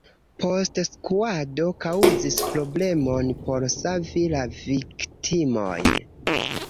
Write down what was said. Postskuado kaŭzis problemon por savi la viktimojn.